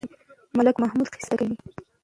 ملک محمد قصه راته کوي.